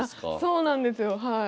そうなんですよはい。